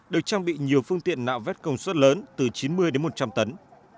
được trang bị nhiều phương tiện nạo vét công suất lớn từ chín mươi đến một trăm linh tấn